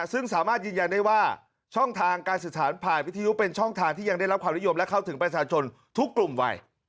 ซึ่งสามารถยืนยันได้ว่าช่องทางการสื่อสารผ่านวิทยุเป็นช่องทางที่ยังได้รับความนิยมและเข้าถึงประชาชนทุกกลุ่มวัย